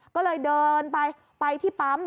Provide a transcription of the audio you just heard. ก็เลยเดินไปไปที่ปั๊ม